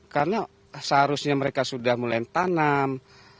karena seharusnya mereka sudah mulai tanam